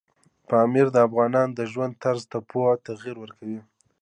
پامیر د افغانانو د ژوند طرز ته پوره تغیر ورکوي.